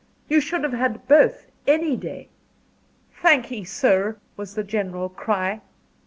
you should have had both, any day." "Thank'ee sir," was the general cry.